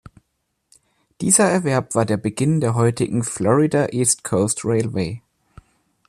Dieser Erwerb war der Beginn der heutigen "Florida East Coast Railway".